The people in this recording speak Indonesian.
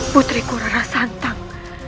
putriku rara santang